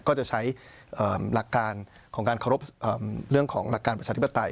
ก็จะใช้หลักการของการเคารพเรื่องของหลักการประชาธิปไตย